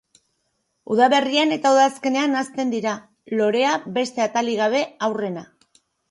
Udaberrian eta udazkenean hazten dira, lorea beste atalik gabe aurrena.